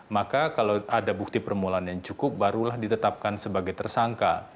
maka kalau ada bukti permulaan yang cukup barulah ditetapkan sebagai tersangka